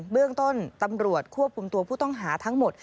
เบื้องต้นตำรวจควบคุมตัวผู้ต้องหาทั้งหมด